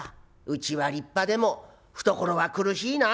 うちは立派でも懐は苦しいな」。